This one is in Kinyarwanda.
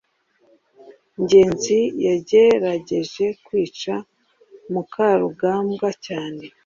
ngenzi yagerageje kwica mukarugambwa cyane